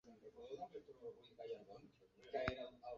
Ho fan amb el respecte individual de cada infant.